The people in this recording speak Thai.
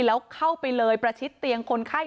แล้วเข้าไปเลยประชิดเตียงคนไข้